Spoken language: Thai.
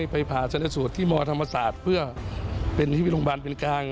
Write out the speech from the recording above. ไปผ่าสรรสุทธิ์ที่มธรรมศาสตร์เพื่อเป็นชีวิตโรงพยาบาลเป็นกลาง